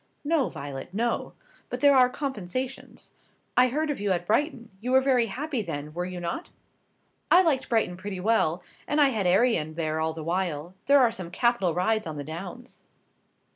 No, Violet, no. But there are compensations. I heard of you at Brighton. You were very happy there, were you not?" "I liked Brighton pretty well. And I had Arion there all the while. There are some capital rides on the Downs."